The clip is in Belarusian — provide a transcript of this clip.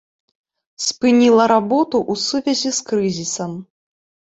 Спыніла работу ў сувязі з крызісам.